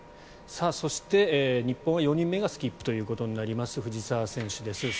そして、日本は４人目がスキップとなります藤澤選手です。